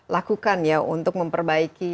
lakukan ya untuk memperbaiki